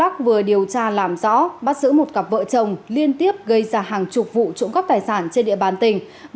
công an vừa điều tra làm rõ bắt giữ một cặp vợ chồng liên tiếp gây ra hàng chục vụ trộm cắp tài sản trên địa bàn tỉnh